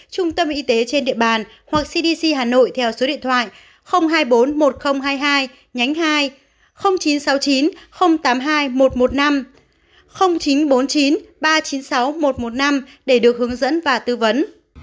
trung tâm y tế trên địa bàn hoặc cdc hà nội theo số điện thoại hai mươi bốn một nghìn hai mươi hai nhánh hai chín trăm sáu mươi chín tám mươi hai một trăm một mươi năm chín trăm bốn mươi chín ba trăm chín mươi sáu một trăm một mươi năm để được hướng dẫn và tư vấn